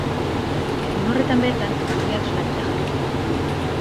Egun horretan bertan, familiak salaketa jarri zuen.